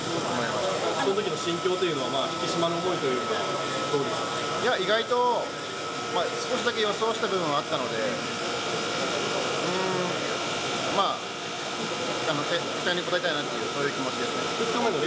そのときの心境というのは、いや、意外と、少しだけ予想してた部分はあったので、うーん、まあ、結果に応えたいなと、そういう気持ちですね。